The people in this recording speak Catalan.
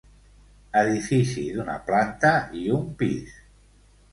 Edifici d'una planta i un pis.